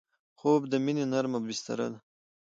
خوب د مینې نرمه بستر ده